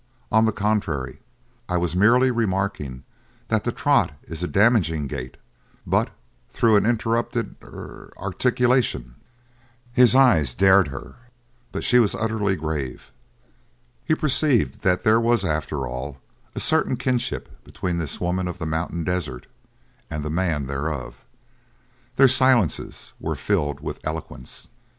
On the contrary, I was merely remarking that the trot is a damaging gait, but through an interrupted er articulation " His eye dared her, but she was utterly grave. He perceived that there was, after all, a certain kinship between this woman of the mountain desert and the man thereof. Their silences were filled with eloquence.